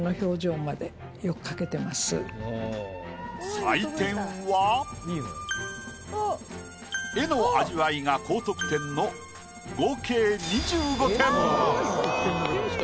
採点は絵の味わいが高得点の合計２５点。